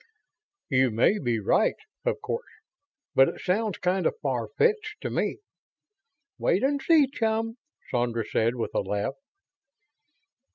"You may be right, of course, but it sounds kind of far fetched to me." "Wait and see, chum," Sandra said, with a laugh.